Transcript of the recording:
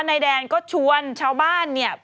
นายแดนก็ชวนชาวบ้านเนี่ย